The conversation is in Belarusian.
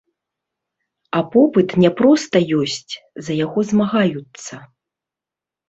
А попыт не проста ёсць, за яго змагаюцца.